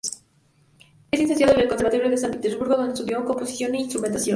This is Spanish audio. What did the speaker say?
Es licenciado del Conservatorio de San Petersburgo, donde estudió composición e instrumentación.